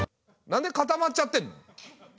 なんで固まっちゃってんの？